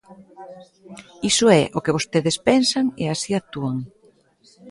Iso é o que vostedes pensan e así actúan.